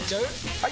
・はい！